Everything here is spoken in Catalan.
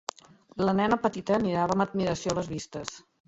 La nena petita mirava amb admiració les vistes.